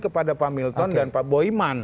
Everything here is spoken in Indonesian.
kepada pak milton dan pak boyman